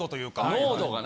濃度がな。